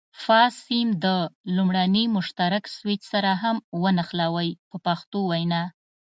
فاز سیم د لومړني مشترک سویچ سره هم ونښلوئ په پښتو وینا.